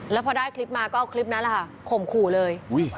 แล้วพอได้คลิปมาก็เอาคลิปนั้นแหละค่ะข่มขู่เลย